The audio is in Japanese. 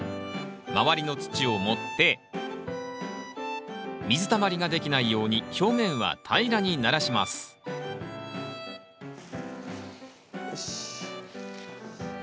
周りの土を盛って水たまりができないように表面は平らにならしますよし。